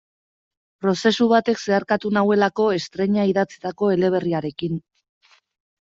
Prozesu batek zeharkatu nauelako estreina idatzitako eleberriarekin.